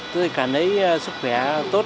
tôi cảm thấy sức khỏe tốt ra